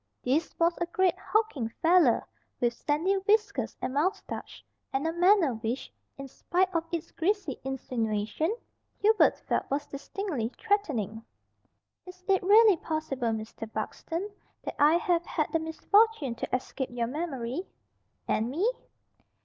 This was a great hulking fellow, with sandy whiskers and moustache, and a manner which, in spite of its greasy insinuation, Hubert felt was distinctly threatening. "Is it really possible, Mr. Buxton, that I have had the misfortune to escape your memory?" "And me?"